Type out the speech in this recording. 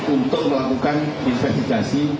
untuk melakukan investigasi